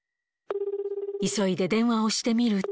急いで電話をしてみると。